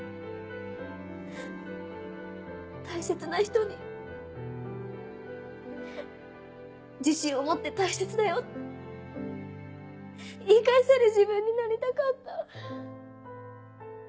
大切な人に自信を持って「大切だよ」って言い返せる自分になりたかった。